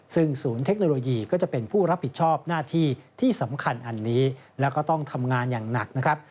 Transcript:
ซึ่งศูนย์เทคโนโลยีก็จะเป็นผู้รับผิดชอบหน้าที่ที่สำคัญอันนี้แล้วก็ต้องทำงานอย่างหนักนะครับ